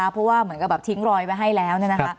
เพราะว่าเหมือนกับทิ้งรอยไว้ให้แล้ว